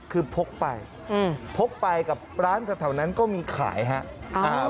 คือพกไปพกไปกับร้านแถวนั้นก็มีขายครับ